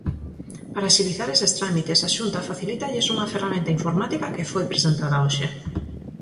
Para axilizar eses trámites, a Xunta facilítalles unha ferramenta informática que foi presentada hoxe.